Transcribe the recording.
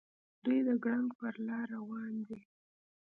دوي د ګړنګ پر لار راروان دي.